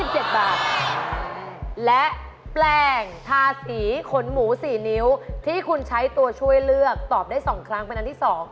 แปลงทาสีขนหมู๔นิ้วที่คุณช่วยเลือก๒ครั้งเป็นอันที่๒